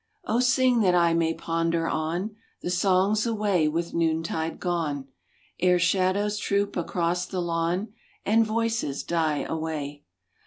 O sing that I may ponder on The songs away with noontide gone, Ere shadows troop across the lawn And voices die away.